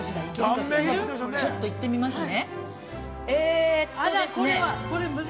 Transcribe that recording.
◆ちょっと行ってみますね。